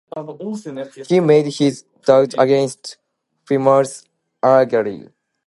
He made his debut against Plymouth Argyle.